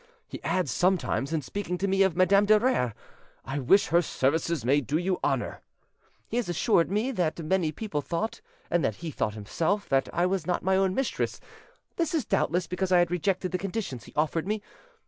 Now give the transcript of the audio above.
He adds sometimes, in speaking to me of Madame de Rere, 'I wish her services may do you honour.' He has assured me that many people thought, and that he thought himself, that I was not my own mistress; this is doubtless because I had rejected the conditions he offered me.